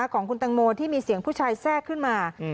ของคุณตังโมที่มีเสียงผู้ชายแทรกขึ้นมา